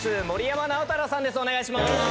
森山直太朗さんです